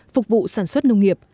phục vụ sản xuất nông nghiệp